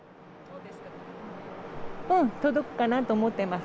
届くかなと思ってます。